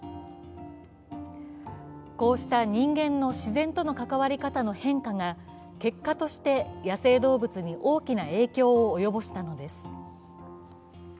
こうした人間の自然との関わり方の変化が結果として野生動物に大きな影響を及ぼしたのです。